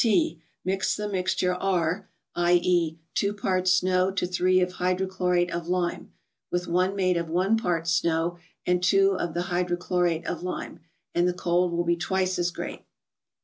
T. —Mix the mixture R., /.<?., 2 parts snow to 3 of hy¬ drochlorate of lime, with one made of 1 part snow and 2 of the hydrochlorate of lime, and the cold will be twice as great.